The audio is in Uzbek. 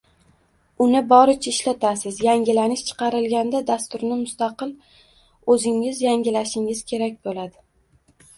Uni boricha ishlatasiz, yangilanish chiqarilganda dasturni mustaqil o’zingiz yangilashingiz kerak bo’ladi